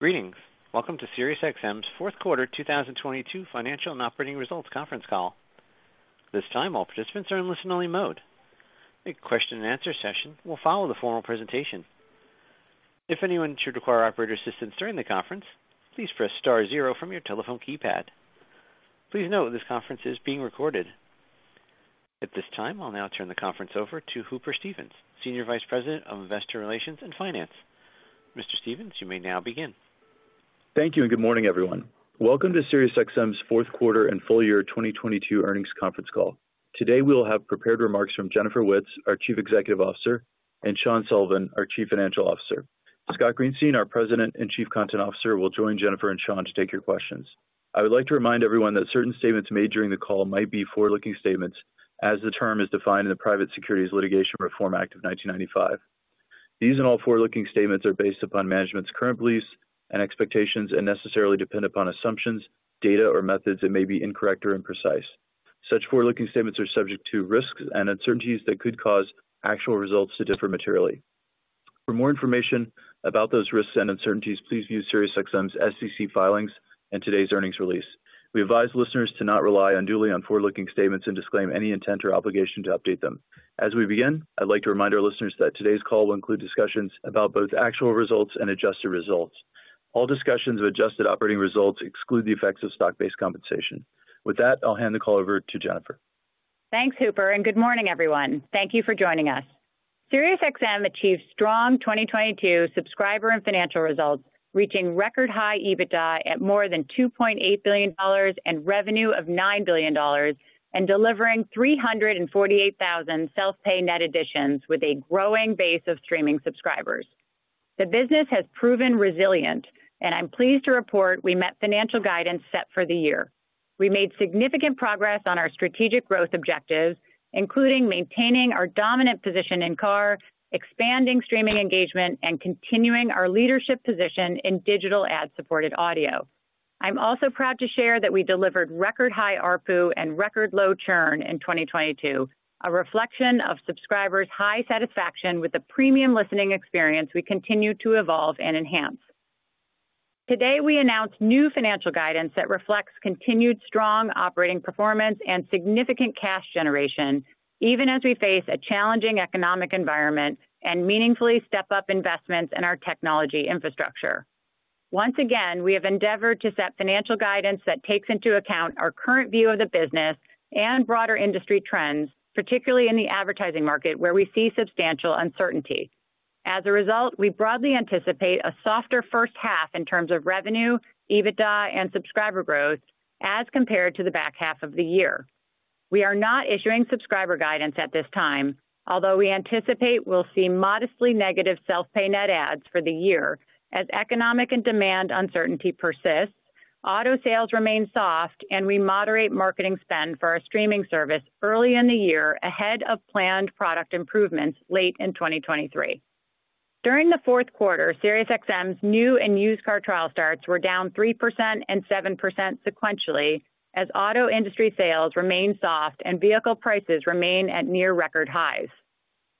Greetings. Welcome to SiriusXM's fourth quarter 2022 financial and operating results conference call. This time, all participants are in listen-only mode. A question-and-answer session will follow the formal presentation. If anyone should require operator assistance during the conference, please press star zero from your telephone keypad. Please note this conference is being recorded. At this time, I'll now turn the conference over to Hooper Stevens, Senior Vice President of Investor Relations and Finance. Mr. Stevens, you may now begin. Thank you. Good morning, everyone. Welcome to SiriusXM's fourth quarter and full year 2022 earnings conference call. Today, we'll have prepared remarks from Jennifer Witz, our Chief Executive Officer, and Sean Sullivan, our Chief Financial Officer. Scott Greenstein, our President and Chief Content Officer, will join Jennifer and Sean to take your questions. I would like to remind everyone that certain statements made during the call might be forward-looking statements as the term is defined in the Private Securities Litigation Reform Act of 1995. These all forward-looking statements are based upon management's current beliefs and expectations and necessarily depend upon assumptions, data, or methods that may be incorrect or imprecise. Such forward-looking statements are subject to risks and uncertainties that could cause actual results to differ materially. For more information about those risks and uncertainties, please view SiriusXM's SEC filings and today's earnings release. We advise listeners to not rely unduly on forward-looking statements and disclaim any intent or obligation to update them. As we begin, I'd like to remind our listeners that today's call will include discussions about both actual results and adjusted results. All discussions of adjusted operating results exclude the effects of stock-based compensation. With that, I'll hand the call over to Jennifer. Thanks, Hooper. Good morning, everyone. Thank you for joining us. SiriusXM achieved strong 2022 subscriber and financial results, reaching record high EBITDA at more than $2.8 billion and revenue of $9 billion and delivering 348,000 self-pay net additions with a growing base of streaming subscribers. The business has proven resilient, and I'm pleased to report we met financial guidance set for the year. We made significant progress on our strategic growth objectives, including maintaining our dominant position in car, expanding streaming engagement, and continuing our leadership position in digital ad-supported audio. I'm also proud to share that we delivered record high ARPU and record low churn in 2022, a reflection of subscribers' high satisfaction with the premium listening experience we continue to evolve and enhance. Today, we announced new financial guidance that reflects continued strong operating performance and significant cash generation, even as we face a challenging economic environment and meaningfully step up investments in our technology infrastructure. Once again, we have endeavored to set financial guidance that takes into account our current view of the business and broader industry trends, particularly in the advertising market, where we see substantial uncertainty. As a result, we broadly anticipate a softer first half in terms of revenue, EBITDA, and subscriber growth as compared to the back half of the year. We are not issuing subscriber guidance at this time, although we anticipate we'll see modestly negative self-pay net adds for the year as economic and demand uncertainty persists, auto sales remain soft, and we moderate marketing spend for our streaming service early in the year ahead of planned product improvements late in 2023. During the Q4, SiriusXM's new and used car trial starts were down 3% and 7% sequentially as auto industry sales remain soft and vehicle prices remain at near record highs.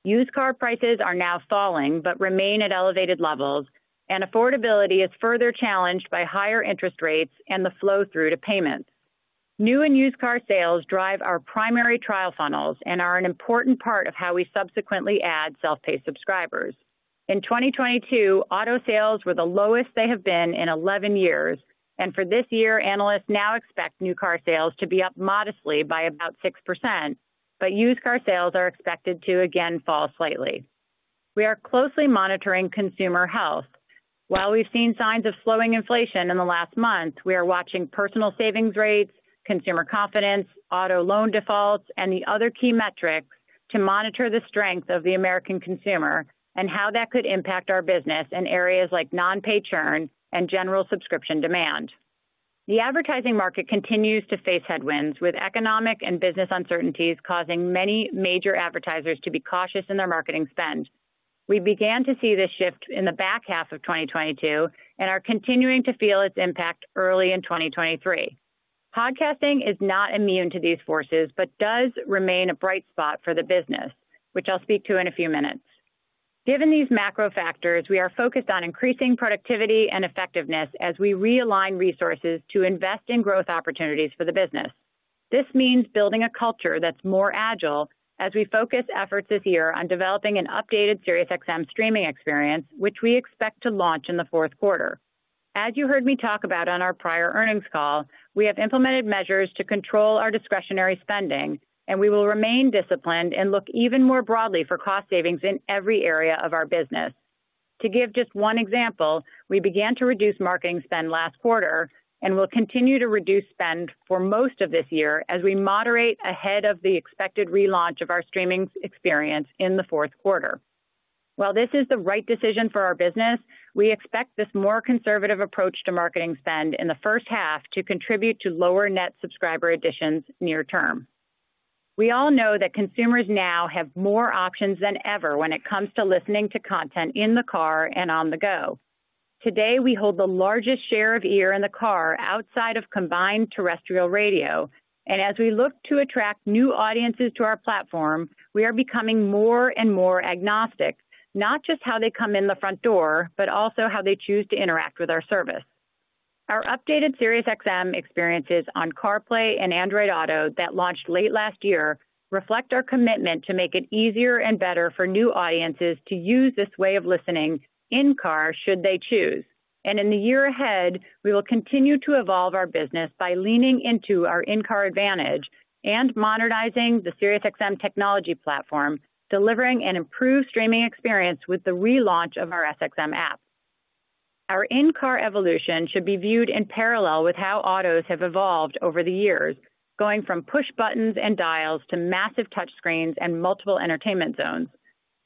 Used car prices are now falling but remain at elevated levels. Affordability is further challenged by higher interest rates and the flow-through to payments. New and used car sales drive our primary trial funnels and are an important part of how we subsequently add self-pay subscribers. In 2022, auto sales were the lowest they have been in 11 years. For this year, analysts now expect new car sales to be up modestly by about 6%. Used car sales are expected to again fall slightly. We are closely monitoring consumer health. While we've seen signs of slowing inflation in the last month, we are watching personal savings rates, consumer confidence, auto loan defaults, and the other key metrics to monitor the strength of the American consumer and how that could impact our business in areas like non-pay churn and general subscription demand. The advertising market continues to face headwinds, with economic and business uncertainties causing many major advertisers to be cautious in their marketing spend. We began to see this shift in the back half of 2022 and are continuing to feel its impact early in 2023. Podcasting is not immune to these forces but does remain a bright spot for the business, which I'll speak to in a few minutes. Given these macro factors, we are focused on increasing productivity and effectiveness as we realign resources to invest in growth opportunities for the business. This means building a culture that's more agile as we focus efforts this year on developing an updated SiriusXM streaming experience, which we expect to launch in the fourth quarter. As you heard me talk about on our prior earnings call, we have implemented measures to control our discretionary spending, and we will remain disciplined and look even more broadly for cost savings in every area of our business. To give just one example, we began to reduce marketing spend last quarter and will continue to reduce spend for most of this year as we moderate ahead of the expected relaunch of our streaming experience in the fourth quarter. While this is the right decision for our business, we expect this more conservative approach to marketing spend in the first half to contribute to lower net subscriber additions near term. We all know that consumers now have more options than ever when it comes to listening to content in the car and on the go. Today, we hold the largest share of ear in the car outside of combined terrestrial radio, and as we look to attract new audiences to our platform, we are becoming more and more agnostic, not just how they come in the front door, but also how they choose to interact with our service. Our updated SiriusXM experiences on CarPlay and Android Auto that launched late last year reflect our commitment to make it easier and better for new audiences to use this way of listening in-car should they choose. In the year ahead, we will continue to evolve our business by leaning into our in-car advantage and modernizing the SiriusXM technology platform, delivering an improved streaming experience with the relaunch of our SXM app. Our in-car evolution should be viewed in parallel with how autos have evolved over the years, going from push buttons and dials to massive touchscreens and multiple entertainment zones.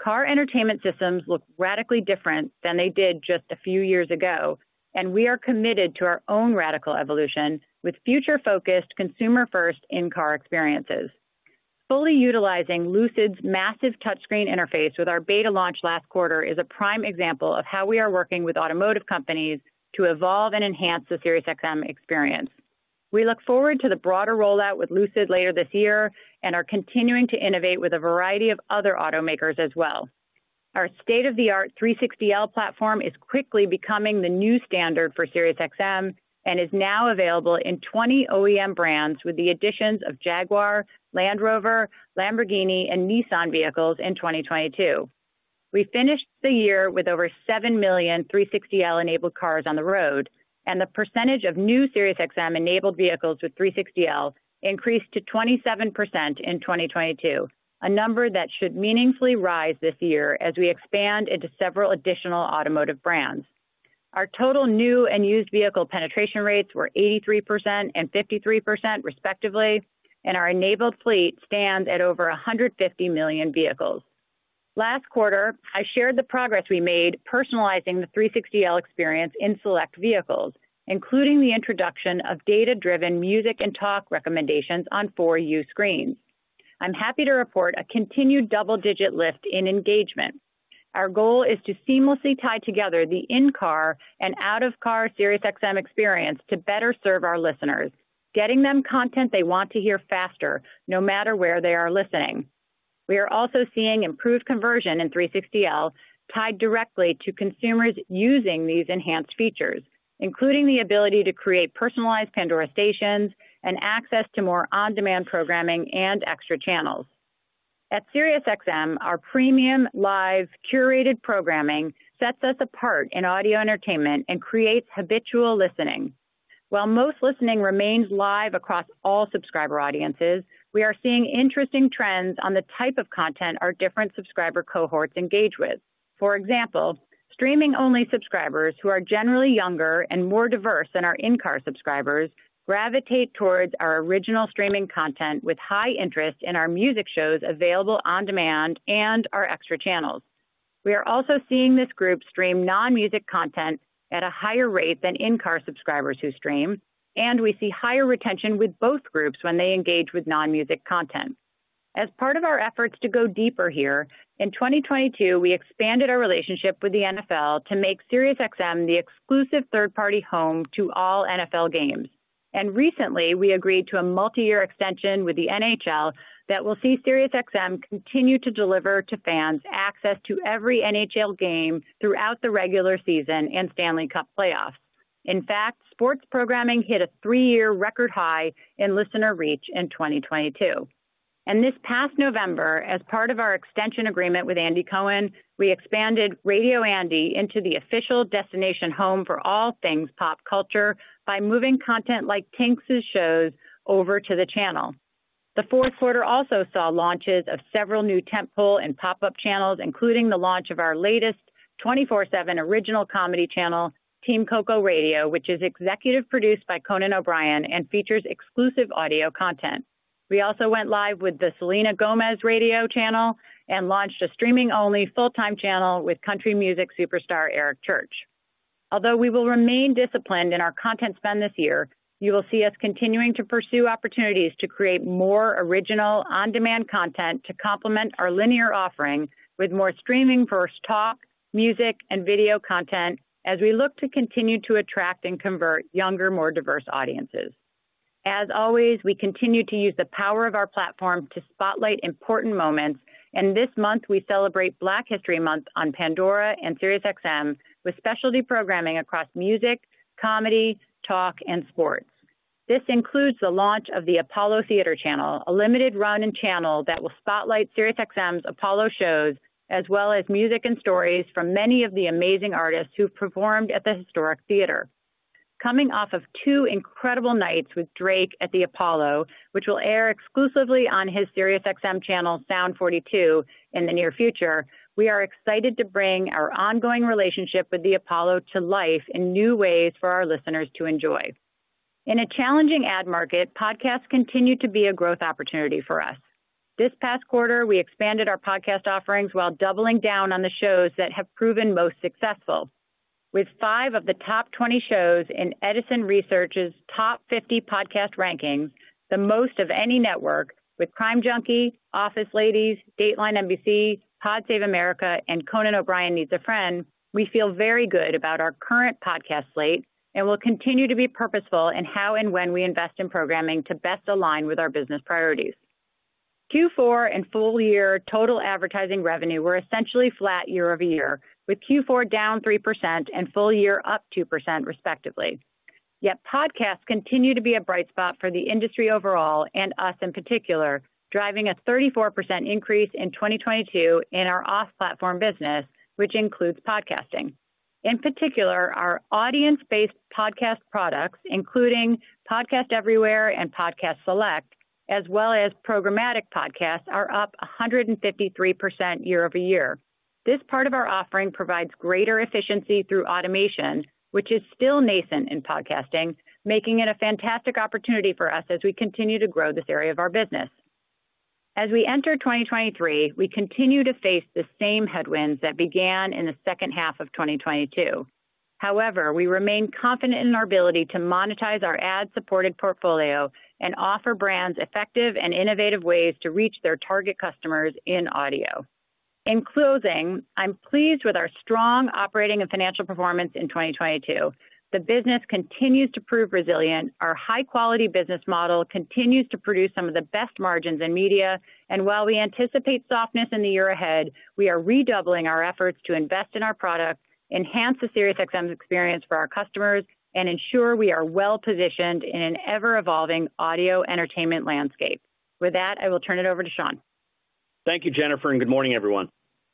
Car entertainment systems look radically different than they did just a few years ago, and we are committed to our own radical evolution with future-focused consumer-first in-car experiences. Fully utilizing Lucid's massive touchscreen interface with our beta launch last quarter is a prime example of how we are working with automotive companies to evolve and enhance the SiriusXM experience. We look forward to the broader rollout with Lucid later this year and are continuing to innovate with a variety of other automakers as well. Our state-of-the-art 360L platform is quickly becoming the new standard for SiriusXM and is now available in 20 OEM brands with the additions of Jaguar, Land Rover, Lamborghini, and Nissan vehicles in 2022. We finished the year with over 7 million 360L-enabled cars on the road, and the percentage of new SiriusXM-enabled vehicles with 360L increased to 27% in 2022, a number that should meaningfully rise this year as we expand into several additional automotive brands. Our total new and used vehicle penetration rates were 83% and 53% respectively, and our enabled fleet stands at over 150 million vehicles. Last quarter, I shared the progress we made personalizing the 360L experience in select vehicles, including the introduction of data-driven music and talk recommendations on four-view screens. I'm happy to report a continued double-digit lift in engagement. Our goal is to seamlessly tie together the in-car and out-of-car SiriusXM experience to better serve our listeners, getting them content they want to hear faster, no matter where they are listening. We are also seeing improved conversion in 360L tied directly to consumers using these enhanced features, including the ability to create personalized Pandora stations and access to more on-demand programming and extra channels. At SiriusXM, our premium live curated programming sets us apart in audio entertainment and creates habitual listening. While most listening remains live across all subscriber audiences, we are seeing interesting trends on the type of content our different subscriber cohorts engage with. For example, streaming-only subscribers who are generally younger and more diverse than our in-car subscribers gravitate towards our original streaming content with high interest in our music shows available on demand and our extra channels. We are also seeing this group stream non-music content at a higher rate than in-car subscribers who stream, and we see higher retention with both groups when they engage with non-music content. As part of our efforts to go deeper here, in 2022, we expanded our relationship with the NFL to make SiriusXM the exclusive third-party home to all NFL games. Recently, we agreed to a multiyear extension with the NHL that will see SiriusXM continue to deliver to fans access to every NHL game throughout the regular season and Stanley Cup playoffs. In fact, sports programming hit a 3-year record high in listener reach in 2022. This past November, as part of our extension agreement with Andy Cohen, we expanded Radio Andy into the official destination home for all things pop culture by moving content like Tin's shows over to the channel. The Q4 also saw launches of several new tentpole and pop-up channels, including the launch of our latest 24/7 original comedy channel, Team Coco Radio, which is executive produced by Conan O'Brien and features exclusive audio content. We also went live with the Selena Gomez radio channel and launched a streaming-only full-time channel with country music superstar Eric Church. Although we will remain disciplined in our content spend this year, you will see us continuing to pursue opportunities to create more original on-demand content to complement our linear offering with more streaming-first talk, music, and video content as we look to continue to attract and convert younger, more diverse audiences. As always, we continue to use the power of our platform to spotlight important moments, and this month, we celebrate Black History Month on Pandora and SiriusXM with specialty programming across music, comedy, talk, and sports. This includes the launch of the Apollo Theater Channel, a limited run and channel that will spotlight SiriusXM's Apollo shows, as well as music and stories from many of the amazing artists who've performed at the historic theater. Coming off of 2 incredible nights with Drake at the Apollo, which will air exclusively on his SiriusXM channel, Sound 42, in the near future, we are excited to bring our ongoing relationship with the Apollo to life in new ways for our listeners to enjoy. In a challenging ad market, podcasts continue to be a growth opportunity for us. This past quarter, we expanded our podcast offerings while doubling down on the shows that have proven most successful. With 5 of the top 20 shows in Edison Research's top 50 podcast rankings, the most of any network with Crime Junkie, Office Ladies, Dateline NBC, Pod Save America, and Conan O'Brien Needs a Friend, we feel very good about our current podcast slate and will continue to be purposeful in how and when we invest in programming to best align with our business priorities. Q4 and full year total advertising revenue were essentially flat year-over-year, with Q4 down 3% and full year up 2% respectively. Podcasts continue to be a bright spot for the industry overall and us in particular, driving a 34% increase in 2022 in our off-platform business, which includes podcasting. In particular, our audience-based podcast products, including Podcast Everywhere and Podcast Select, as well as programmatic podcasts, are up 153% year-over-year. This part of our offering provides greater efficiency through automation, which is still nascent in podcasting, making it a fantastic opportunity for us as we continue to grow this area of our business. As we enter 2023, we continue to face the same headwinds that began in the second half of 2022. However, we remain confident in our ability to monetize our ad-supported portfolio and offer brands effective and innovative ways to reach their target customers in audio. In closing, I'm pleased with our strong operating and financial performance in 2022. The business continues to prove resilient. Our high-quality business model continues to produce some of the best margins in media. While we anticipate softness in the year ahead, we are redoubling our efforts to invest in our products, enhance the SiriusXM experience for our customers, and ensure we are well-positioned in an ever-evolving audio entertainment landscape. With that, I will turn it over to Sean. Thank you, Jennifer. Good morning, everyone.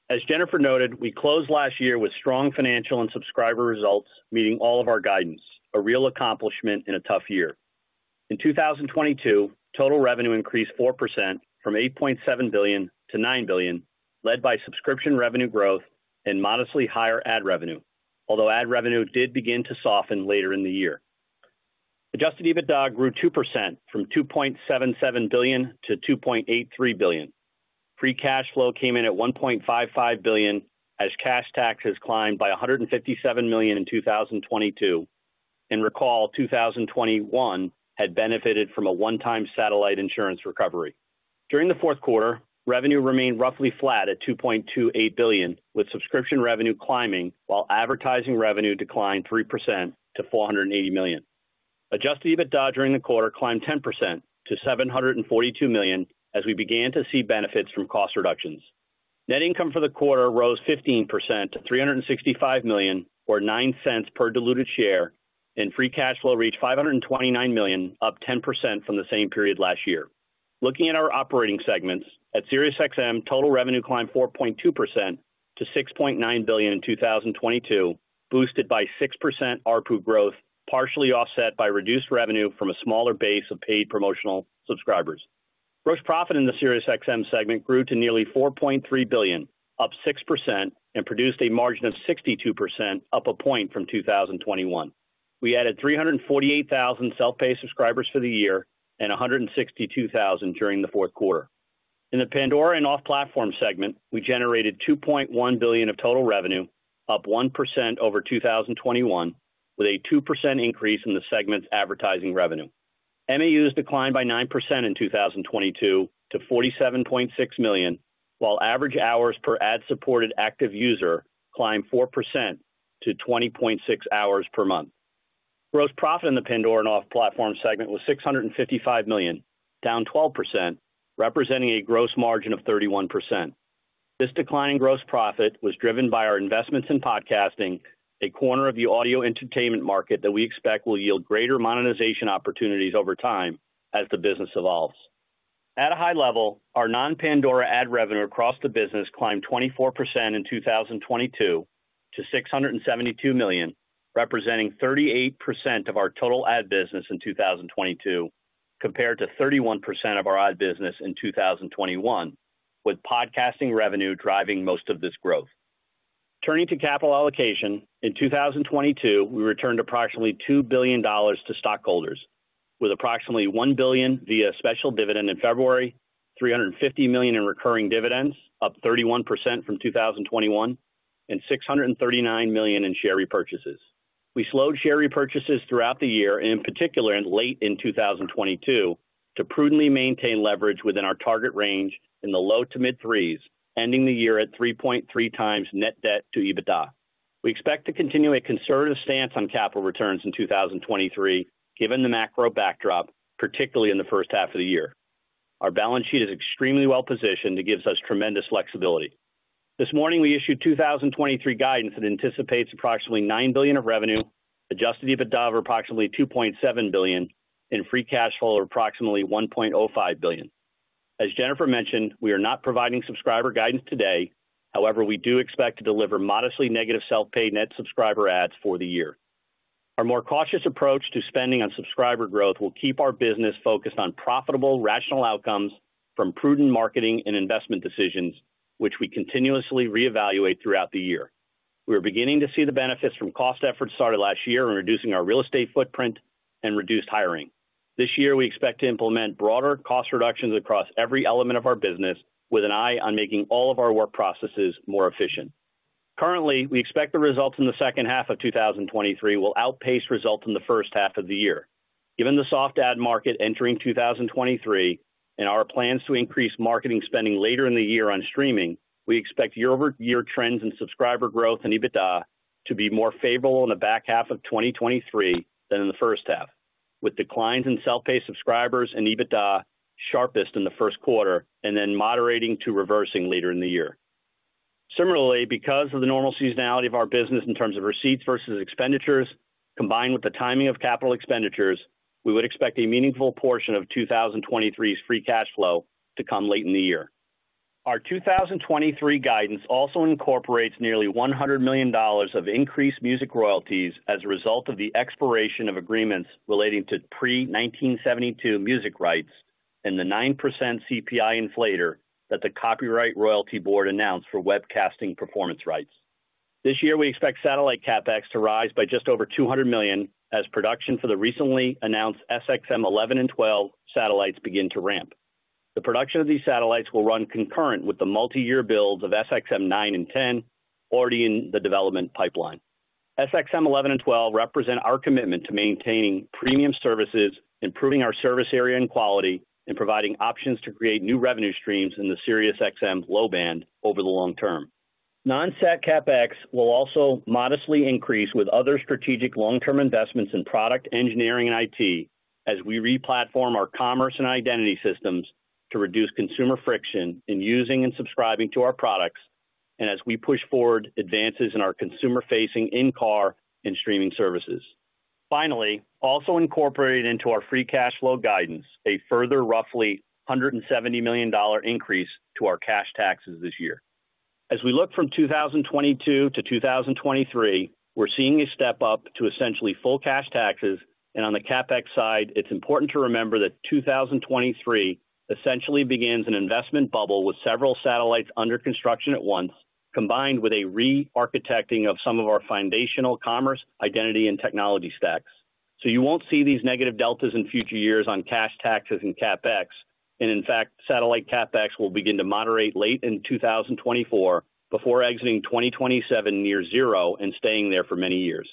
As Jennifer noted, we closed last year with strong financial and subscriber results, meeting all of our guidance, a real accomplishment in a tough year. In 2022, total revenue increased 4% from $8.7 billion to $9 billion, led by subscription revenue growth and modestly higher ad revenue. Although ad revenue did begin to soften later in the year. Adjusted EBITDA grew 2% from $2.77 billion to $2.83 billion. Free cash flow came in at $1.55 billion as cash taxes climbed by $157 million in 2022. Recall, 2021 had benefited from a one-time satellite insurance recovery. During the fourth quarter, revenue remained roughly flat at $2.28 billion, with subscription revenue climbing while advertising revenue declined 3% to $480 million. Adjusted EBITDA during the quarter climbed 10% to $742 million as we began to see benefits from cost reductions. Net income for the quarter rose 15% to $365 million or $0.09 per diluted share, and free cash flow reached $529 million, up 10% from the same period last year. Looking at our operating segments, at SiriusXM, total revenue climbed 4.2% to $6.9 billion in 2022, boosted by 6% ARPU growth, partially offset by reduced revenue from a smaller base of paid promotional subscribers. Gross profit in the SiriusXM segment grew to nearly $4.3 billion, up 6%, and produced a margin of 62%, up a point from 2021. We added 348,000 self-pay subscribers for the year and 162,000 during the fourth quarter. In the Pandora and Off-Platform segment, we generated $2.1 billion of total revenue, up 1% over 2021, with a 2% increase in the segment's advertising revenue. MAUs declined by 9% in 2022 to 47.6 million, while average hours per ad-supported active user climbed 4% to 20.6 hours per month. Gross profit in the Pandora and Off-Platform segment was $655 million, down 12%, representing a gross margin of 31%. This decline in gross profit was driven by our investments in podcasting, a corner of the audio entertainment market that we expect will yield greater monetization opportunities over time as the business evolves. At a high level, our non-Pandora ad revenue across the business climbed 24% in 2022 to $672 million, representing 38% of our total ad business in 2022, compared to 31% of our ad business in 2021, with podcasting revenue driving most of this growth. Turning to capital allocation, in 2022, we returned approximately $2 billion to stockholders, with approximately $1 billion via special dividend in February, $350 million in recurring dividends, up 31% from 2021, and $639 million in share repurchases. We slowed share repurchases throughout the year, in particular in late 2022, to prudently maintain leverage within our target range in the low to mid threes, ending the year at 3.3 times net debt to EBITDA. We expect to continue a conservative stance on capital returns in 2023, given the macro backdrop, particularly in the first half of the year. Our balance sheet is extremely well-positioned. It gives us tremendous flexibility. This morning, we issued 2023 guidance that anticipates approximately $9 billion of revenue, adjusted EBITDA of approximately $2.7 billion, and free cash flow of approximately $1.05 billion. As Jennifer mentioned, we are not providing subscriber guidance today. We do expect to deliver modestly negative self-pay net subscriber ads for the year. Our more cautious approach to spending on subscriber growth will keep our business focused on profitable, rational outcomes from prudent marketing and investment decisions, which we continuously reevaluate throughout the year. We are beginning to see the benefits from cost efforts started last year in reducing our real estate footprint and reduced hiring. This year, we expect to implement broader cost reductions across every element of our business with an eye on making all of our work processes more efficient. Currently, we expect the results in the second half of 2023 will outpace results in the first half of the year. Given the soft ad market entering 2023 and our plans to increase marketing spending later in the year on streaming, we expect year-over-year trends in subscriber growth and EBITDA to be more favorable in the back half of 2023 than in the first half, with declines in self-pay subscribers and EBITDA sharpest in the first quarter and then moderating to reversing later in the year. Similarly, because of the normal seasonality of our business in terms of receipts versus expenditures, combined with the timing of capital expenditures, we would expect a meaningful portion of 2023's free cash flow to come late in the year. Our 2023 guidance also incorporates nearly $100 million of increased music royalties as a result of the expiration of agreements relating to pre-1972 music rights and the 9% CPI inflator that the Copyright Royalty Board announced for webcasting performance rights. This year, we expect satellite CapEx to rise by just over $200 million as production for the recently announced SXM-11 and -12 satellites begin to ramp. The production of these satellites will run concurrent with the multi-year builds of SXM-9 and -10 already in the development pipeline. SXM-11 and -12 represent our commitment to maintaining premium services, improving our service area and quality, and providing options to create new revenue streams in the Sirius low-band over the long term. Non-sat CapEx will also modestly increase with other strategic long-term investments in product engineering and IT as we re-platform our commerce and identity systems to reduce consumer friction in using and subscribing to our products, and as we push forward advances in our consumer-facing in-car and streaming services. Finally, also incorporated into our free cash flow guidance, a further roughly $170 million increase to our cash taxes this year. As we look from 2022 to 2023, we're seeing a step up to essentially full cash taxes. On the CapEx side, it's important to remember that 2023 essentially begins an investment bubble with several satellites under construction at once, combined with a re-architecting of some of our foundational commerce, identity, and technology stacks. You won't see these negative deltas in future years on cash taxes and CapEx. In fact, satellite CapEx will begin to moderate late in 2024 before exiting 2027 near zero and staying there for many years.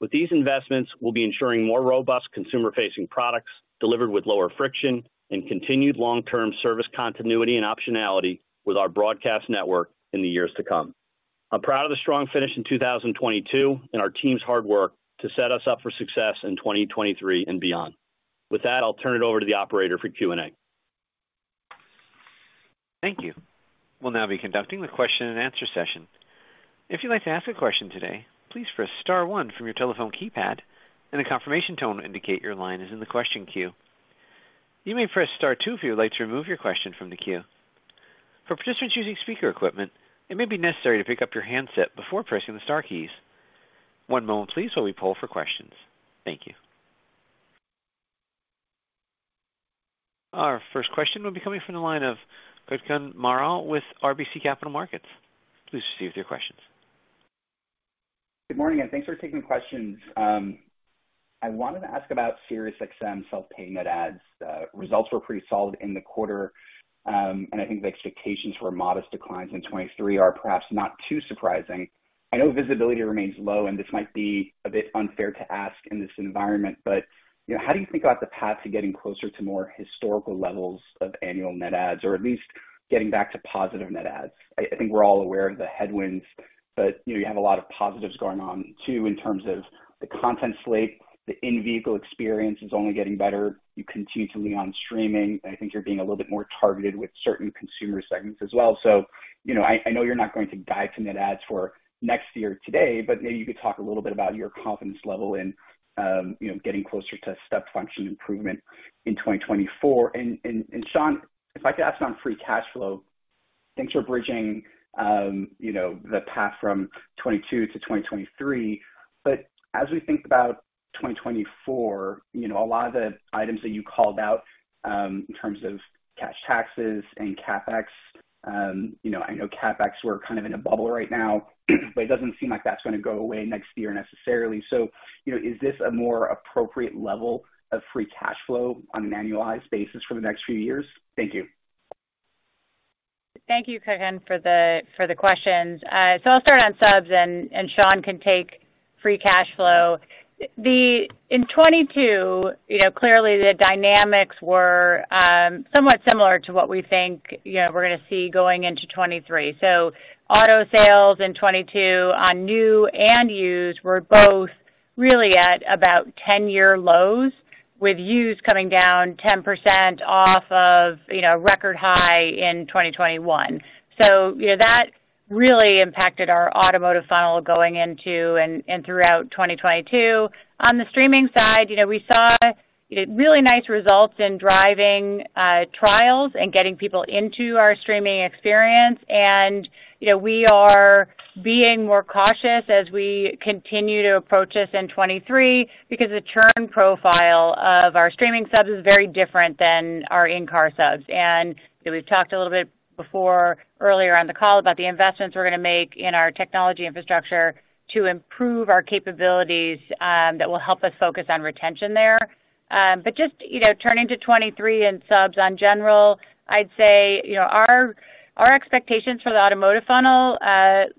With these investments, we'll be ensuring more robust consumer-facing products delivered with lower friction and continued long-term service continuity and optionality with our broadcast network in the years to come. I'm proud of the strong finish in 2022 and our team's hard work to set us up for success in 2023 and beyond. With that, I'll turn it over to the operator for Q&A. Thank you. We'll now be conducting the question and answer session. If you'd like to ask a question today, please press star one from your telephone keypad and a confirmation tone will indicate your line is in the question queue. You may press star two if you would like to remove your question from the queue. For participants using speaker equipment, it may be necessary to pick up your handset before pressing the star keys. One moment please while we poll for questions. Thank you. Our first question will be coming from the line of Gokul Hariharan with RBC Capital Markets. Please proceed with your questions. Good morning, thanks for taking questions. I wanted to ask about SiriusXM self-pay net adds. Results were pretty solid in the quarter, I think the expectations for modest declines in 23 are perhaps not too surprising. I know visibility remains low, this might be a bit unfair to ask in this environment, you know, how do you think about the path to getting closer to more historical levels of annual net adds, or at least getting back to positive net adds? I think we're all aware of the headwinds, you know, you have a lot of positives going on, too, in terms of the content slate. The in-vehicle experience is only getting better. You continue to lean on streaming, I think you're being a little bit more targeted with certain consumer segments as well. You know, I know you're not going to guide to net adds for next year today, but maybe you could talk a little bit about your confidence level in, you know, getting closer to step function improvement in 2024. Sean, if I could ask on free cash flow. Thanks for bridging, you know, the path from 2022 to 2023. As we think about 2024, you know, a lot of the items that you called out, in terms of cash taxes and CapEx, you know, I know CapEx, we're kind of in a bubble right now, but it doesn't seem like that's gonna go away next year necessarily. You know, is this a more appropriate level of free cash flow on an annualized basis for the next few years? Thank you. Thank you, Gokul, for the questions. I'll start on subs and Sean can take free cash flow. In 22, you know, clearly the dynamics were somewhat similar to what we think, you know, we're gonna see going into 23. Auto sales in 22 on new and used were both really at about 10-year lows, with used coming down 10% off of, you know, record high in 2021. You know, that really impacted our automotive funnel going into and throughout 2022. On the streaming side, you know, we saw, you know, really nice results in driving trials and getting people into our streaming experience. You know, we are being more cautious as we continue to approach this in 23 because the churn profile of our streaming subs is very different than our in-car subs. You know, we've talked a little bit before earlier on the call about the investments we're gonna make in our technology infrastructure to improve our capabilities that will help us focus on retention there. Just, you know, turning to 2023 and subs on general, I'd say, you know, our expectations for the automotive funnel,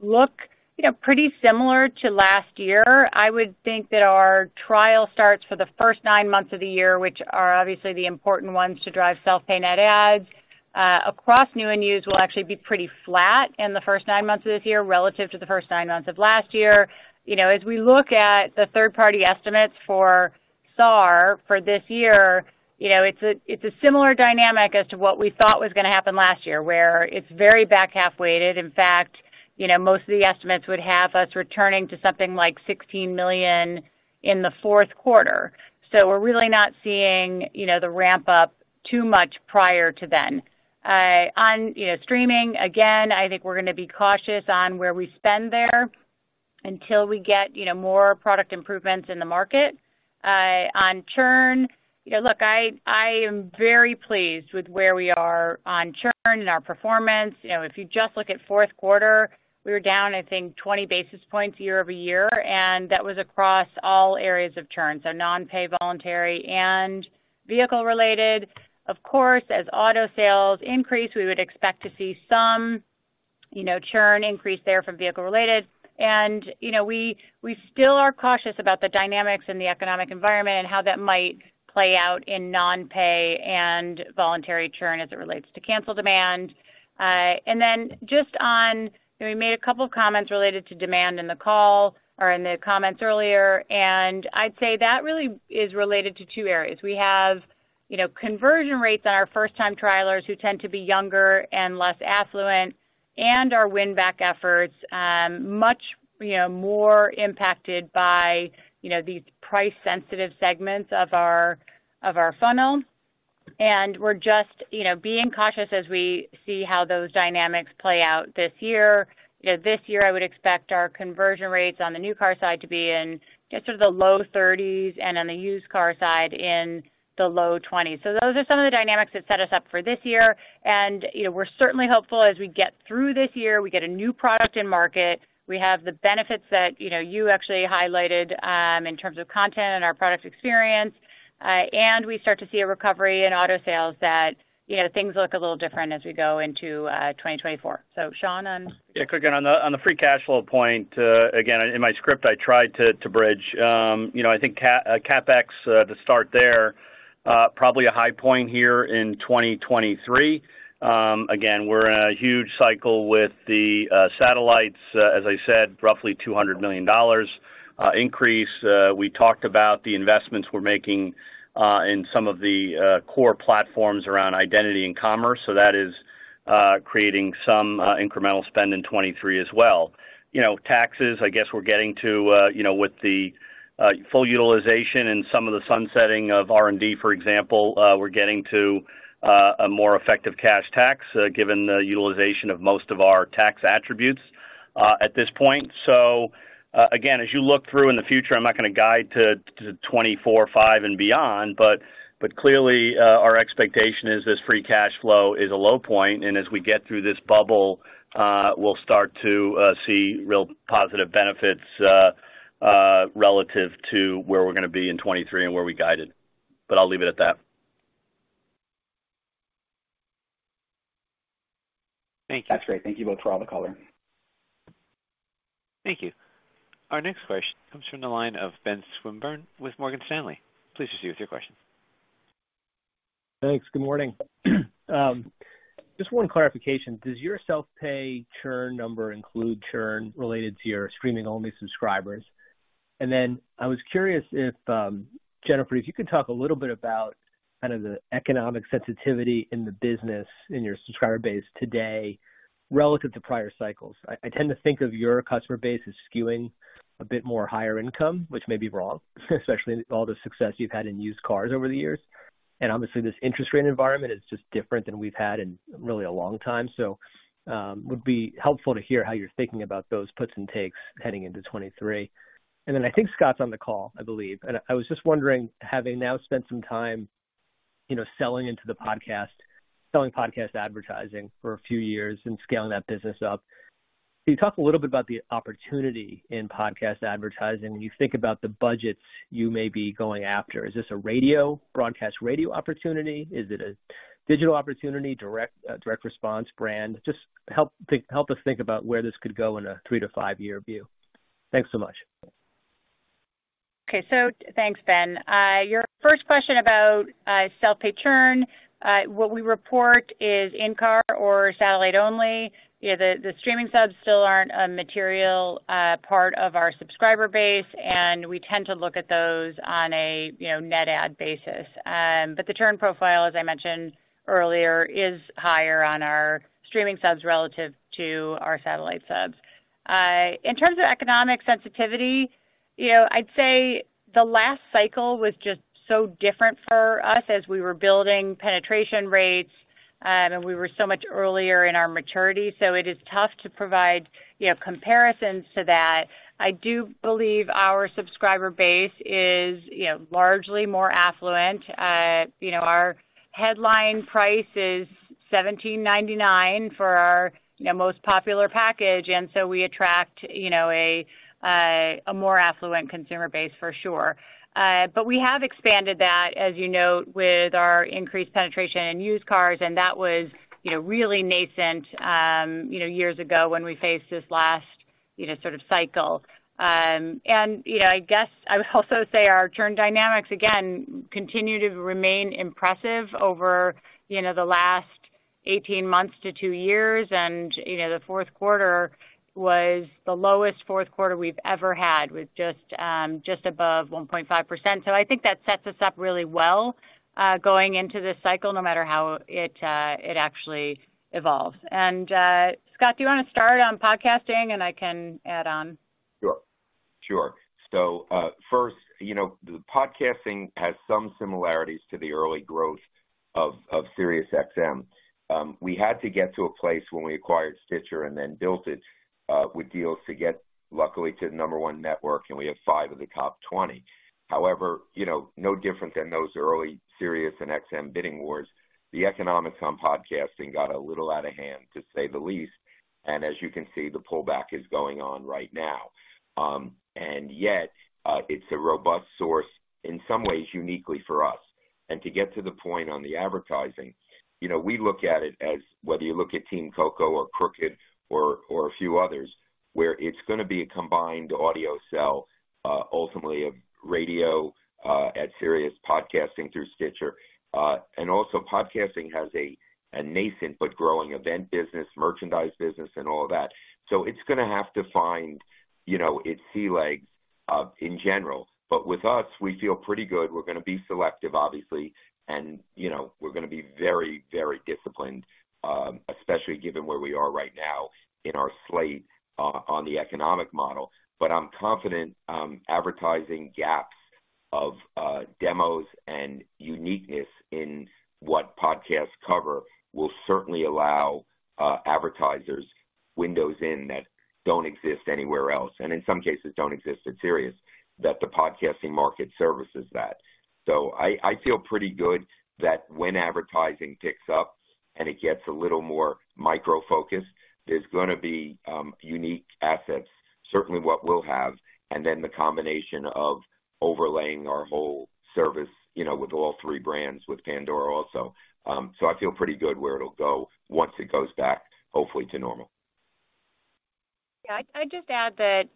look, you know, pretty similar to last year. I would think that our trial starts for the first nine months of the year, which are obviously the important ones to drive self-pay net adds. Across new and used will actually be pretty flat in the first nine months of this year relative to the first nine months of last year. You know, as we look at the third-party estimates for SAAR for this year, you know, it's a, it's a similar dynamic as to what we thought was gonna happen last year, where it's very back-half weighted. In fact, you know, most of the estimates would have us returning to something like 16 million in the fourth quarter. We're really not seeing, you know, the ramp up too much prior to then. On, you know, streaming, again, I think we're gonna be cautious on where we spend there until we get, you know, more product improvements in the market. On churn, you know, look, I am very pleased with where we are on churn and our performance. You know, if you just look at fourth quarter, we were down, I think, 20 basis points year-over-year. That was across all areas of churn. Non-pay, voluntary, and vehicle-related. Of course, as auto sales increase, we would expect to see some, you know, churn increase there from vehicle-related. You know, we still are cautious about the dynamics in the economic environment and how that might play out in non-pay and voluntary churn as it relates to cancel demand. Just on, you know, we made a couple of comments related to demand in the call or in the comments earlier. I'd say that really is related to 2 areas. We have, you know, conversion rates on our first-time trialers who tend to be younger and less affluent, and our win back efforts, much, you know, more impacted by, you know, these price-sensitive segments of our, of our funnel. We're just, you know, being cautious as we see how those dynamics play out this year. You know, this year I would expect our conversion rates on the new car side to be in just sort of the low 30s and on the used car side in the low 20s. Those are some of the dynamics that set us up for this year. You know, we're certainly hopeful as we get through this year, we get a new product in market. We have the benefits that, you know, you actually highlighted, in terms of content and our product experience. And we start to see a recovery in auto sales that, you know, things look a little different as we go into 2024. Sean on- Yeah. Quick on the free cash flow point, again, in my script I tried to bridge. You know, I think CapEx, to start there, probably a high point here in 2023. Again, we're in a huge cycle with the satellites. As I said, roughly $200 million increase. We talked about the investments we're making in some of the core platforms around identity and commerce. That is creating some incremental spend in 2023 as well. You know, taxes, I guess we're getting to, you know, with the full utilization and some of the sunsetting of R&D, for example, we're getting to a more effective cash tax, given the utilization of most of our tax attributes at this point. Again, as you look through in the future, I'm not gonna guide to 2024, 2025, and beyond, clearly, our expectation is this free cash flow is a low point, and as we get through this bubble, we'll start to see real positive benefits relative to where we're gonna be in 2023 and where we guided. I'll leave it at that. Thank you. That's great. Thank you both for all the color. Thank you. Our next question comes from the line of Benjamin Swinburne with Morgan Stanley. Please proceed with your question. Thanks. Good morning. Just one clarification. Does your self-pay churn number include churn related to your streaming-only subscribers? I was curious if Jennifer, if you could talk a little bit about kind of the economic sensitivity in the business in your subscriber base today relative to prior cycles. I tend to think of your customer base as skewing a bit more higher income, which may be wrong, especially with all the success you've had in used cars over the years. Obviously, this interest rate environment is just different than we've had in really a long time. Would be helpful to hear how you're thinking about those puts and takes heading into 2023. I think Scott's on the call, I believe. I was just wondering, having now spent some time, you know, selling into the podcast, selling podcast advertising for a few years and scaling that business up. Can you talk a little bit about the opportunity in podcast advertising when you think about the budgets you may be going after? Is this a radio, broadcast radio opportunity? Is it a digital opportunity, direct response brand? Just help us think about where this could go in a 3-5 year view. Thanks so much. Okay. Thanks, Benjamin. Your first question about self-pay churn. What we report is in-car or satellite only. You know, the streaming subs still aren't a material part of our subscriber base, and we tend to look at those on a, you know, net ad basis. The churn profile, as I mentioned earlier, is higher on our streaming subs relative to our satellite subs. In terms of economic sensitivity, you know, I'd say the last cycle was just so different for us as we were building penetration rates, and we were so much earlier in our maturity. It is tough to provide, you know, comparisons to that. I do believe our subscriber base is, you know, largely more affluent. You know, our headline price is $17.99 for our, you know, most popular package, we attract, you know, a more affluent consumer base for sure. We have expanded that, as you note, with our increased penetration in used cars, that was, you know, really nascent, you know, years ago when we faced this last, you know, sort of cycle. You know, I guess I would also say our churn dynamics, again, continue to remain impressive over, you know, the last 18 months to 2 years. You know, the fourth quarter was the lowest fourth quarter we've ever had, with just above 1.5%. I think that sets us up really well, going into this cycle, no matter how it actually evolves. Scott, do you wanna start on podcasting and I can add on? Sure. Sure. First, you know, the podcasting has some similarities to the early growth of SiriusXM. We had to get to a place when we acquired Stitcher and then built it with deals to get luckily to number 1 network, and we have 5 of the top 20. However, you know, no different than those early Sirius and XM bidding wars, the economics on podcasting got a little out of hand, to say the least. As you can see, the pullback is going on right now. Yet, it's a robust source in some ways uniquely for us. To get to the point on the advertising, you know, we look at it as whether you look at Team Coco or Crooked or a few others, where it's gonna be a combined audio sell, ultimately of radio, at Sirius, podcasting through Stitcher. Also podcasting has a nascent but growing event business, merchandise business and all of that. So it's gonna have to find, you know, its sea legs, in general. With us, we feel pretty good. We're gonna be selective, obviously. You know, we're gonna be very, very disciplined, especially given where we are right now in our slate, on the economic model. I'm confident, advertising gaps of demos and uniqueness in what podcasts cover will certainly allow advertisers windows in that don't exist anywhere else, and in some cases don't exist at Sirius, that the podcasting market services that. I feel pretty good that when advertising picks up and it gets a little more micro-focused, there's gonna be unique assets, certainly what we'll have, and then the combination of overlaying our whole service, you know, with all three brands, with Pandora also. I feel pretty good where it'll go once it goes back, hopefully to normal. Yeah. I'd just add that,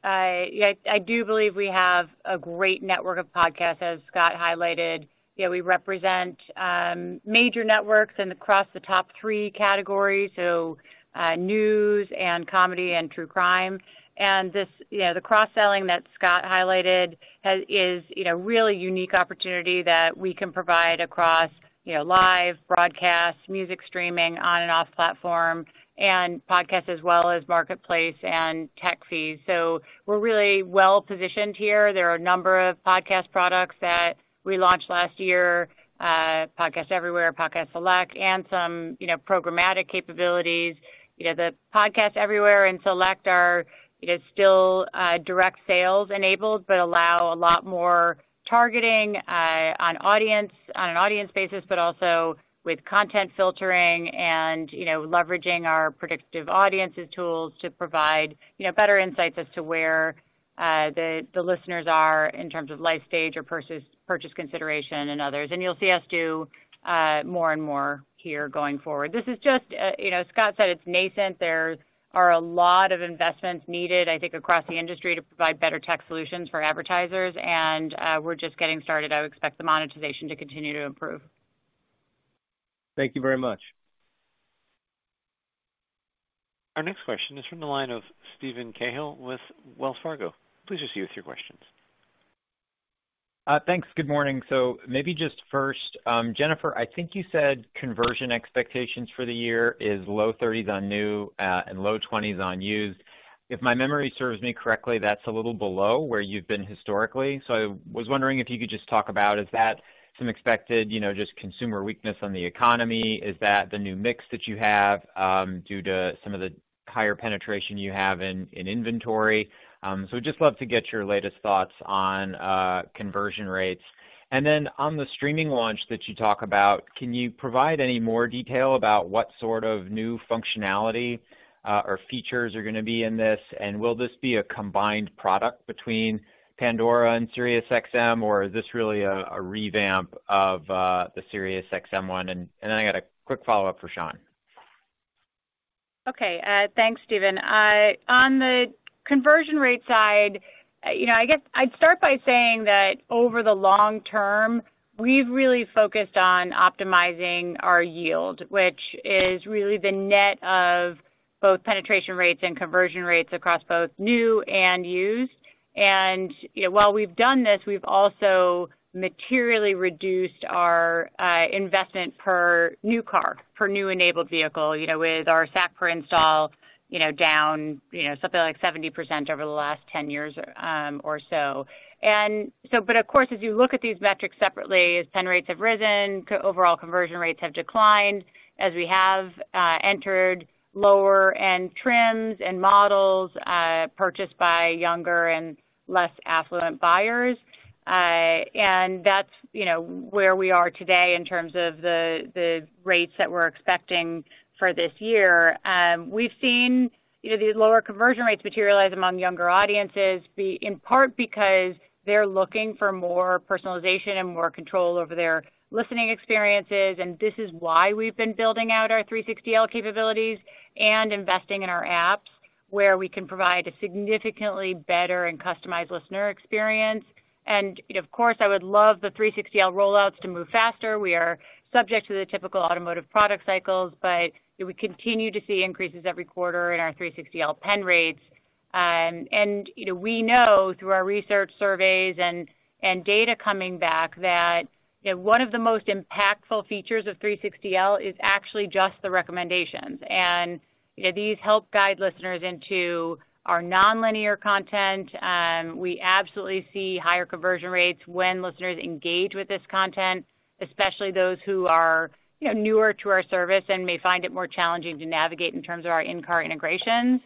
yeah, I do believe we have a great network of podcasts, as Scott highlighted. You know, we represent major networks and across the top three categories, so news and comedy and true crime. This, you know, the cross-selling that Scott highlighted is, you know, really unique opportunity that we can provide across, you know, live broadcasts, music streaming on and off platform, and podcasts as well as marketplace and tech feeds. We're really well positioned here. There are a number of podcast products that we launched last year, Podcast Everywhere, Podcast Select, and some, you know, programmatic capabilities. You know, the Podcast Everywhere and Select are, you know, still direct sales enabled, but allow a lot more targeting on an audience basis, but also with content filtering and, you know, leveraging our predictive audiences tools to provide, you know, better insights as to where the listeners are in terms of life stage or purchase consideration and others. You'll see us do more and more here going forward. This is just, you know, Scott said it's nascent. There are a lot of investments needed, I think, across the industry to provide better tech solutions for advertisers, and we're just getting started. I would expect the monetization to continue to improve. Thank you very much. Our next question is from the line of Steven Cahall with Wells Fargo. Please proceed with your questions. Thanks. Good morning. Maybe just first, Jennifer Witz, I think you said conversion expectations for the year is low 30s on new, and low 20s on used. If my memory serves me correctly, that's a little below where you've been historically. I was wondering if you could just talk about, is that some expected, you know, just consumer weakness on the economy? Is that the new mix that you have, due to some of the higher penetration you have in inventory? Just love to get your latest thoughts on conversion rates. Then on the streaming launch that you talk about, can you provide any more detail about what sort of new functionality or features are gonna be in this? Will this be a combined product between Pandora and SiriusXM, or is this really a revamp of the SiriusXM one? I got a quick follow-up for Sean. Okay. Thanks, Steven. On the conversion rate side, you know, I guess I'd start by saying that over the long term, we've really focused on optimizing our yield, which is really the net of both penetration rates and conversion rates across both new and used. You know, while we've done this, we've also materially reduced our investment per new car, per new enabled vehicle, you know, with our SAC per install, you know, down, you know, something like 70% over the last 10 years or so. Of course, as you look at these metrics separately, pen rates have risen, overall conversion rates have declined as we have entered lower end trends and models purchased by younger and less affluent buyers. That's, you know, where we are today in terms of the rates that we're expecting for this year. We've seen, you know, these lower conversion rates materialize among younger audiences be in part because they're looking for more personalization and more control over their listening experiences, and this is why we've been building out our 360L capabilities and investing in our apps. Where we can provide a significantly better and customized listener experience. Of course, I would love the 360L rollouts to move faster. We are subject to the typical automotive product cycles, but we continue to see increases every quarter in our 360L pen rates. You know, we know through our research surveys and data coming back that one of the most impactful features of 360L is actually just the recommendations. These help guide listeners into our nonlinear content. We absolutely see higher conversion rates when listeners engage with this content, especially those who are, you know, newer to our service and may find it more challenging to navigate in terms of our in-car integrations.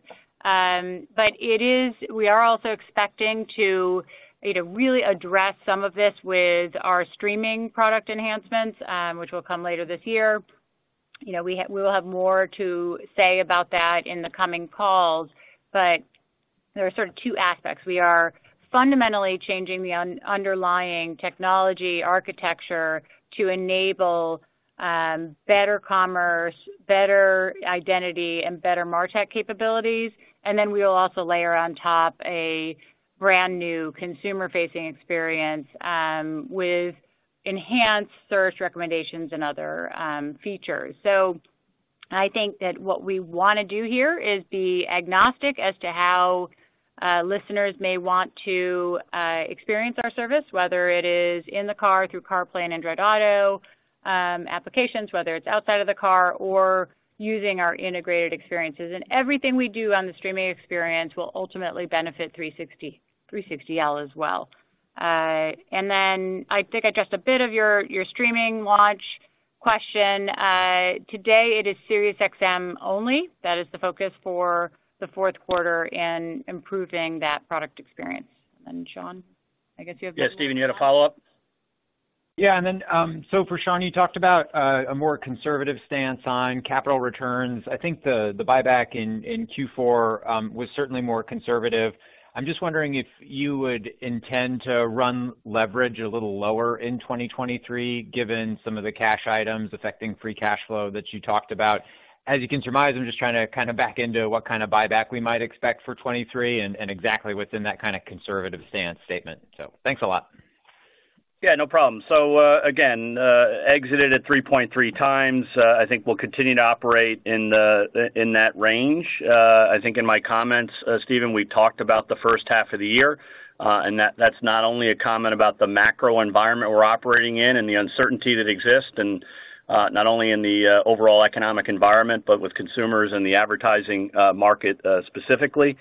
We are also expecting to, you know, really address some of this with our streaming product enhancements, which will come later this year. You know, we will have more to say about that in the coming calls. There are sort of two aspects. We are fundamentally changing the underlying technology architecture to enable better commerce, better identity, and better MarTech capabilities. We will also layer on top a brand new consumer-facing experience with enhanced search recommendations and other features. I think that what we wanna do here is be agnostic as to how listeners may want to experience our service, whether it is in the car through CarPlay and Android Auto applications, whether it's outside of the car or using our integrated experiences. Everything we do on the streaming experience will ultimately benefit 360, 360L as well. Then I think I addressed a bit of your streaming watch question. Today it is SiriusXM only. That is the focus for the 4th quarter in improving that product experience. Sean, I guess you have... Yeah, Steven, you had a follow-up? Yeah. For Sean, you talked about a more conservative stance on capital returns. I think the buyback in Q4 was certainly more conservative. I'm just wondering if you would intend to run leverage a little lower in 2023, given some of the cash items affecting free cash flow that you talked about. As you can surmise, I'm just trying to kind of back into what kind of buyback we might expect for 23 and exactly within that kind of conservative stance statement. Thanks a lot. Yeah, no problem. Again, exited at 3.3x. I think we'll continue to operate in that range. I think in my comments, Steven, we talked about the first half of the year, and that's not only a comment about the macro environment we're operating in and the uncertainty that exists, and not only in the overall economic environment, but with consumers and the advertising market, specifically.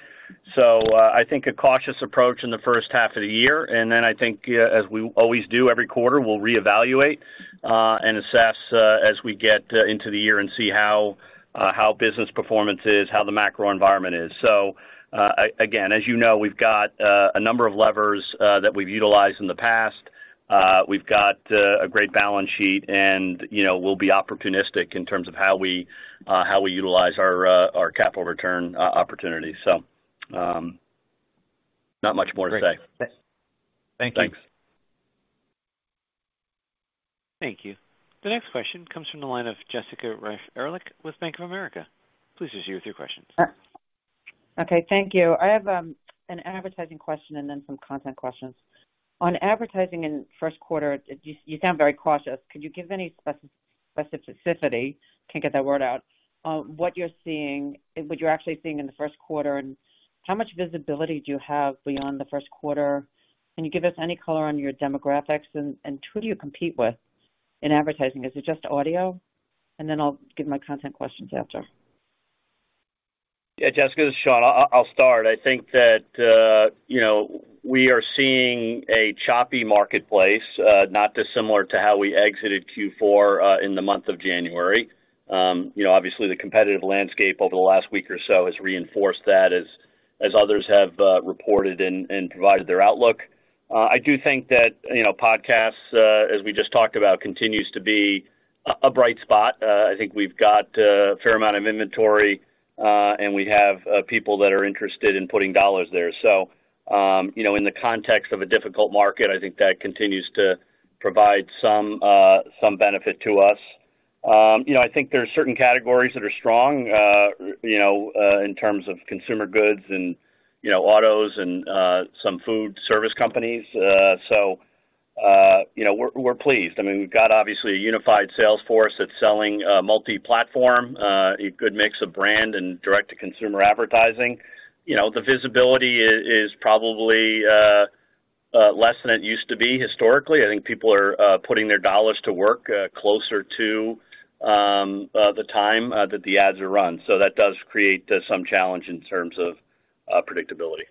I think a cautious approach in the first half of the year, and then I think, as we always do every quarter, we'll reevaluate and assess as we get into the year and see how business performance is, how the macro environment is. Again, as you know, we've got a number of levers that we've utilized in the past. We've got a great balance sheet, and, you know, we'll be opportunistic in terms of how we utilize our capital return opportunity. Not much more to say. Great. Thank you. Thanks. Thank you. The next question comes from the line of Jessica Reif Ehrlich with Bank of America. Please proceed with your question. Okay. Thank you. I have an advertising question and then some content questions. On advertising in first quarter, you sound very cautious. Could you give any specificity on what you're seeing, what you're actually seeing in the first quarter, and how much visibility do you have beyond the first quarter? Can you give us any color on your demographics? Who do you compete with in advertising? Is it just audio? Then I'll give my content questions after. Yeah. Jessica, this is Sean. I'll start. I think that, you know, we are seeing a choppy marketplace, not dissimilar to how we exited Q4, in the month of January. You know, obviously the competitive landscape over the last week or so has reinforced that as others have reported and provided their outlook. I do think that, you know, podcasts, as we just talked about, continues to be a bright spot. I think we've got a fair amount of inventory, and we have people that are interested in putting dollars there. You know, in the context of a difficult market, I think that continues to provide some benefit to us. You know, I think there are certain categories that are strong, you know, in terms of consumer goods and, you know, autos and some food service companies. You know, we're pleased. I mean, we've got obviously a unified sales force that's selling multi-platform, a good mix of brand and direct-to-consumer advertising. You know, the visibility is probably less than it used to be historically. I think people are putting their dollars to work closer to the time that the ads are run. That does create some challenge in terms of predictability.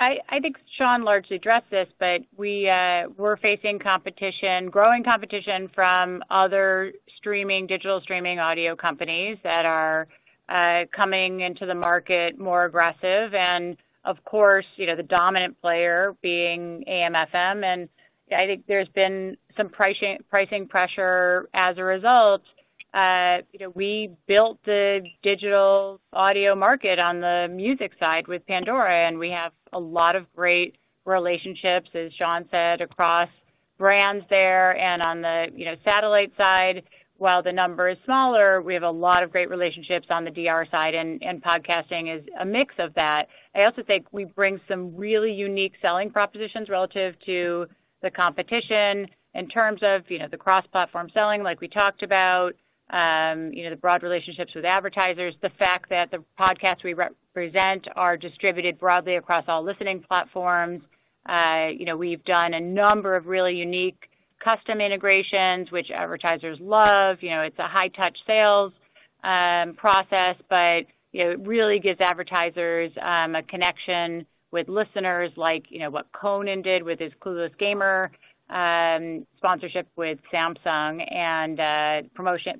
I think Sean largely addressed this, but we're facing competition, growing competition from other streaming, digital streaming audio companies that are coming into the market more aggressive. Of course, you know, the dominant player being AM/FM, and I think there's been some pricing pressure as a result. You know, we built the digital audio market on the music side with Pandora, and we have a lot of great relationships, as Sean said, across brands there and on the, you know, satellite side, while the number is smaller, we have a lot of great relationships on the DR side, and podcasting is a mix of that. I also think we bring some really unique selling propositions relative to the competition in terms of, you know, the cross-platform selling, like we talked about, you know, the broad relationships with advertisers. The fact that the podcasts we represent are distributed broadly across all listening platforms. You know, we've done a number of really unique custom integrations which advertisers love. You know, it's a high touch sales process, but, you know, it really gives advertisers a connection with listeners like, you know, what Conan did with his Clueless Gamer sponsorship with Samsung and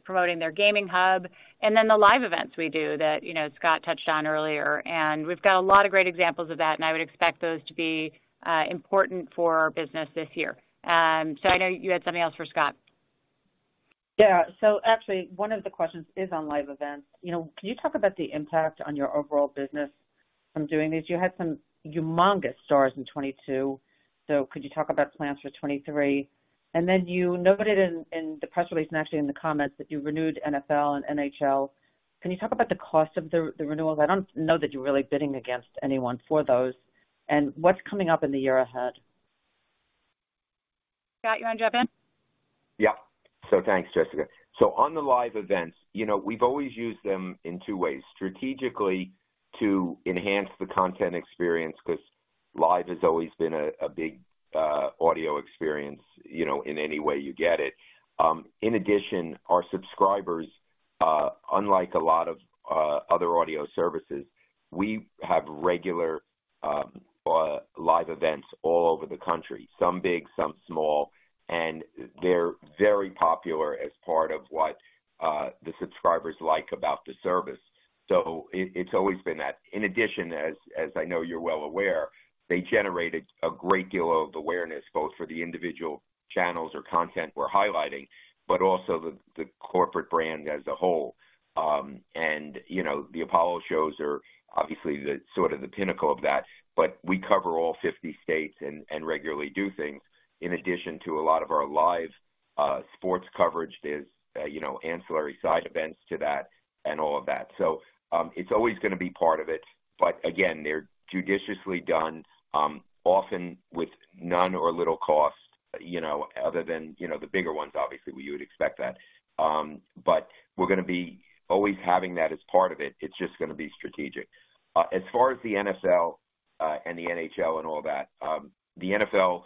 promoting their gaming hub. The live events we do that, you know, Scott touched on earlier. We've got a lot of great examples of that, and I would expect those to be important for our business this year. I know you had something else for Scott. Yeah. Actually one of the questions is on live events. You know, can you talk about the impact on your overall business from doing these? You had some humongous stars in 2022. Could you talk about plans for 2023? Then you noted in the press release and actually in the comments, that you renewed NFL and NHL. Can you talk about the cost of the renewals? I don't know that you're really bidding against anyone for those. What's coming up in the year ahead? Scott, you wanna jump in? Yeah. Thanks, Jessica. On the live events, you know, we've always used them in 2 ways. Strategically to enhance the content experience, 'cause live has always been a big audio experience, you know, in any way you get it. In addition, our subscribers, unlike a lot of other audio services, we have regular live events all over the country, some big, some small, and they're very popular as part of what the subscribers like about the service. It's always been that. In addition, as I know you're well aware, they generated a great deal of awareness both for the individual channels or content we're highlighting, but also the corporate brand as a whole. You know, the Apollo shows are obviously the sort of the pinnacle of that. We cover all 50 states and regularly do things in addition to a lot of our live sports coverage. There's, you know, ancillary side events to that and all of that. It's always gonna be part of it, but again, they're judiciously done, often with none or little cost, you know, other than, you know, the bigger ones, obviously, where you would expect that. We're gonna be always having that as part of it. It's just gonna be strategic. As far as the NFL and the NHL and all that, the NFL,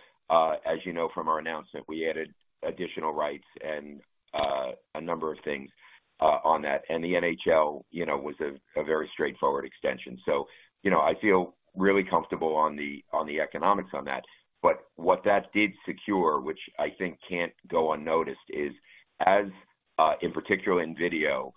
as you know from our announcement, we added additional rights and a number of things on that. The NHL, you know, was a very straightforward extension. You know, I feel really comfortable on the, on the economics on that. What that did secure, which I think can't go unnoticed, is as, in particular in video,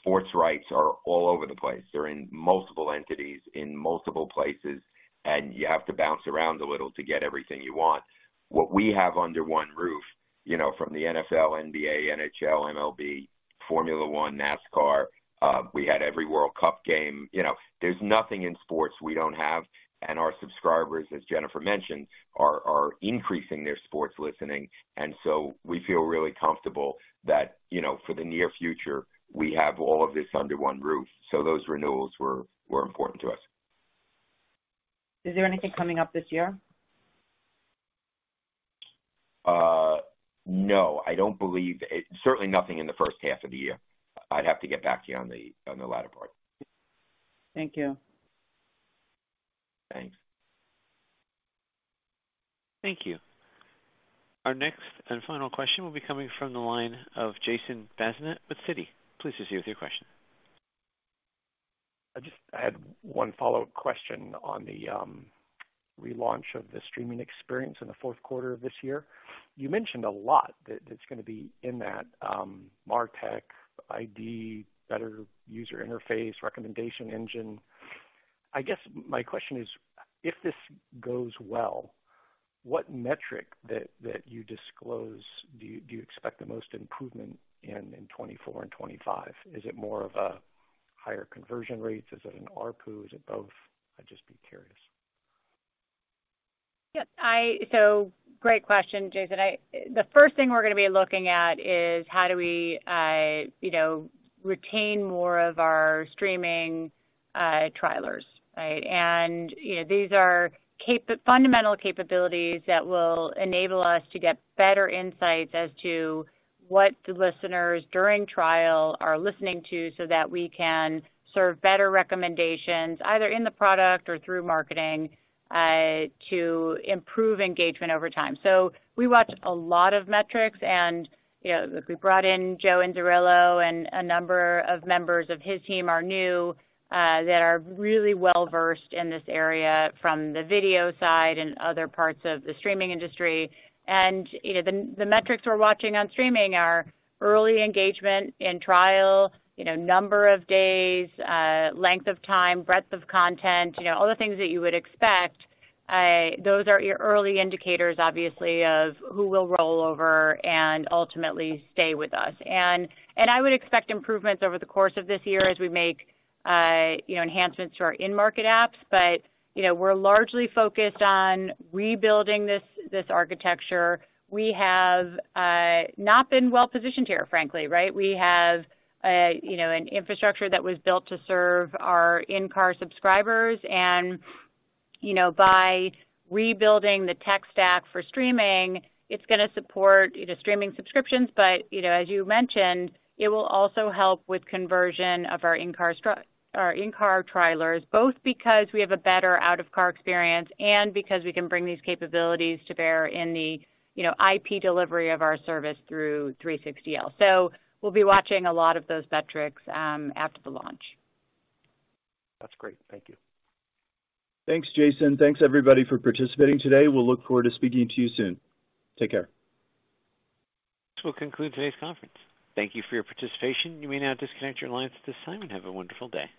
sports rights are all over the place. They're in multiple entities in multiple places, and you have to bounce around a little to get everything you want. What we have under one roof, you know, from the NFL, NBA, NHL, MLB, Formula One, NASCAR, we had every World Cup game. You know, there's nothing in sports we don't have, and our subscribers, as Jennifer mentioned, are increasing their sports listening. So we feel really comfortable that, you know, for the near future, we have all of this under one roof. Those renewals were important to us. Is there anything coming up this year? No, I don't believe... Certainly nothing in the first half of the year. I'd have to get back to you on the, on the latter part. Thank you. Thanks. Thank you. Our next and final question will be coming from the line of Jason Bazinet with Citi. Please proceed with your question. I just had one follow-up question on the relaunch of the streaming experience in the fourth quarter of this year. You mentioned a lot that it's gonna be in that MarTech ID, better user interface, recommendation engine. I guess my question is, if this goes well, what metric that you disclose do you expect the most improvement in 2024 and 2025? Is it more of a higher conversion rates? Is it an ARPU? Is it both? I'd just be curious. Yeah. great question, Jason. The first thing we're gonna be looking at is how do we, you know, retain more of our streaming, trialers, right? you know, these are fundamental capabilities that will enable us to get better insights as to what the listeners during trial are listening to, so that we can serve better recommendations, either in the product or through marketing, to improve engagement over time. We watch a lot of metrics and, you know, look, we brought in Joe Ianniello and a number of members of his team are new, that are really well-versed in this area from the video side and other parts of the streaming industry. You know, the metrics we're watching on streaming are early engagement in trial, you know, number of days, length of time, breadth of content, you know, all the things that you would expect. Those are your early indicators, obviously, of who will roll over and ultimately stay with us. I would expect improvements over the course of this year as we make, you know, enhancements to our in-market apps. You know, we're largely focused on rebuilding this architecture. We have not been well positioned here, frankly, right? We have, you know, an infrastructure that was built to serve our in-car subscribers. You know, by rebuilding the tech stack for streaming, it's gonna support, you know, streaming subscriptions, but, you know, as you mentioned, it will also help with conversion of our in-car trialers, both because we have a better out-of-car experience and because we can bring these capabilities to bear in the, you know, IP delivery of our service through 360L. We'll be watching a lot of those metrics after the launch. That's great. Thank you. Thanks, Jason. Thanks, everybody, for participating today. We'll look forward to speaking to you soon. Take care. This will conclude today's conference. Thank you for your participation. You may now disconnect your lines at this time and have a wonderful day.